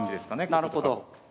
なるほど。